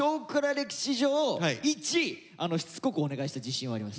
歴史上イチしつこくお願いした自信はあります。